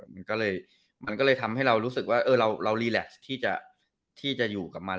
มันก็เลยมันก็เลยทำให้เรารู้สึกว่าเรารีแล็กซ์ที่จะอยู่กับมัน